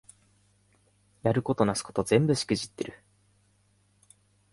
やることなすこと全部しくじってる